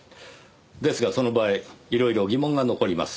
ですがその場合いろいろ疑問が残ります。